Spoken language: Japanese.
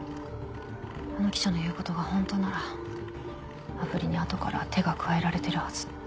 あの記者の言うことが本当ならアプリに後から手が加えられてるはず。